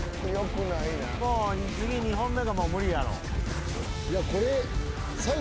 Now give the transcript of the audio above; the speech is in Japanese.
もう次２本目無理やろ。